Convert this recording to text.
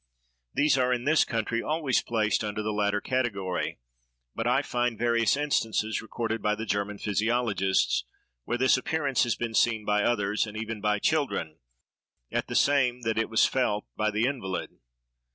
These are, in this country, always placed under the latter category; but I find various instances recorded by the German physiologists, where this appearance has been seen by others, and even by children, at the same that it was felt by the invalid.